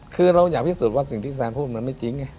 คือเราอยากพิสูจน์ว่าสิ่งที่แซนพูดมันไม่จริงไง